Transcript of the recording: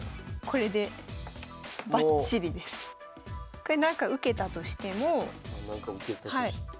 これなんか受けたとしてもはい。